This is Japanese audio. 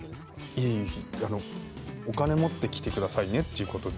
いえいえあのお金持ってきてくださいねっていう事ですよね。